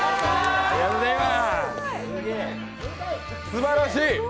すばらしい！